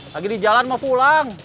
lagi di jalan mau pulang